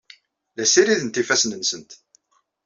La ssirident ifassen-nsent.